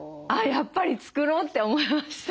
やっぱり作ろうって思いました。